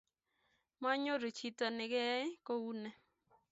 mwonyoru chito ne keyai kouni.